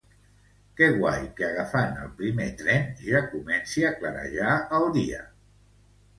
Que guai que agafant el primer tren ja comenci a clarejar el dia.